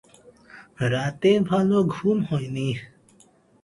রাতে ভালো ঘুম হয় নি।